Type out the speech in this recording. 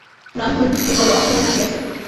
ব্রাহ্মণ, তুমি বড়ো অসময়ে আসিয়াছ।